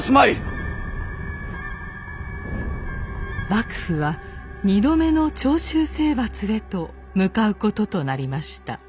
幕府は２度目の長州征伐へと向かうこととなりました。